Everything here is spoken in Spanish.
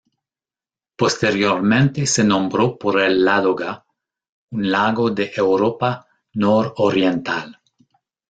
Posteriormente se nombró por el Ládoga, un lago de Europa nororiental.